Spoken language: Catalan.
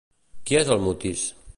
Qui és el Mutis?